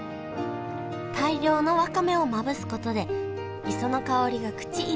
大量のわかめをまぶすことで磯の香りが口いっぱいに広がります。